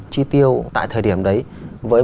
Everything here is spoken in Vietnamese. chi tiêu tại thời điểm đấy với